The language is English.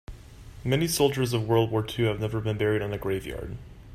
Many soldiers of world war two have never been buried on a grave yard.